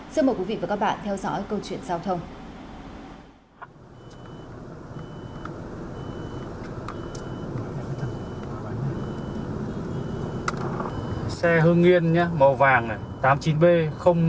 xin mời quý vị và các bạn theo dõi câu chuyện giao thông